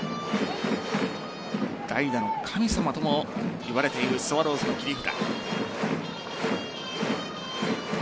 代打の神様ともいわれているスワローズの切り札。